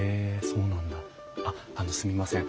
あっすみません。